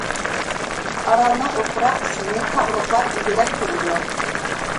ئارالنىڭ ئوتتۇرا قىسمىنى تاغلىقلار ئىگىلەپ تۇرىدۇ.